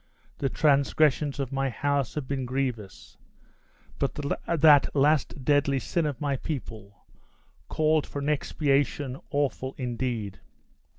The transgressions of my house have been grievous; but that last deadly sin of my people called for an expiation awful indeed!